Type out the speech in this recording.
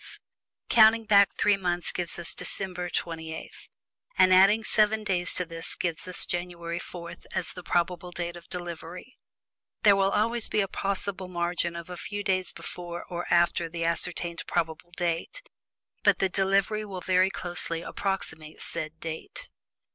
Counting back three months gives us December 28; and adding seven days to this gives us January 4, as the date of probable delivery. There will always be a possible margin of a few days before or after the ascertained probable date but the delivery will very closely approximate said date.